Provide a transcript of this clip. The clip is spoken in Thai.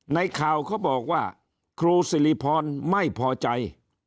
ในข่าวเขาบอกว่าครูสิริพรไม่พอใจ